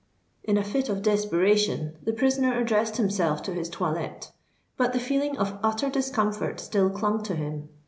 In a fit of desperation the prisoner addressed himself to his toilette: but the feeling of utter discomfort still clung to him.